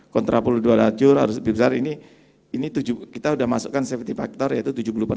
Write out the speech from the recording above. kontrapro dua lajur harus lebih besar ini kita sudah masukkan safety factor yaitu tujuh puluh